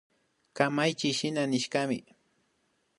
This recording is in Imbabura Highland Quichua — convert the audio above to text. Kamachiy shina nishkami